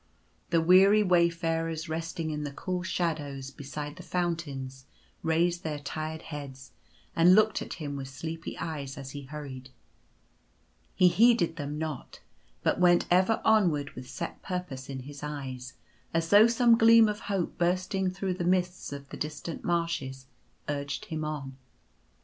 At the Portal. 1 4 1 The weary wayfarers resting in the cool shadows be side the fountains raised their tired heads and looked at him with sleepy eyes as he hurried. He heeded them not ; but went ever onward with set purpose in his eyes, as though some gleam of hope bursting through the mists of the distant marshes urged him on.